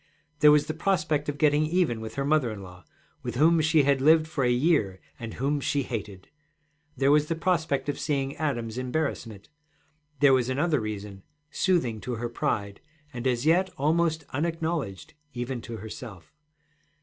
There was the prospect of getting even with her mother in law, with whom she had lived for a year and whom she hated; there was the prospect of seeing Adam's embarrassment; there was another reason, soothing to her pride, and as yet almost unacknowledged, even to herself.